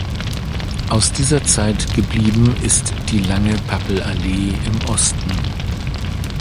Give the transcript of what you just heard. Aus dieser Zeit geblieben ist die lange Pappelallee im Osten.